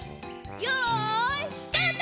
よいスタート！